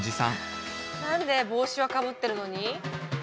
何で帽子はかぶってるのに。